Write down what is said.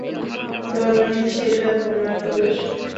বলোনি সেটা তোমার দোষ!